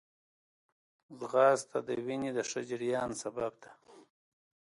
ځغاسته د وینې د ښه جریان سبب ده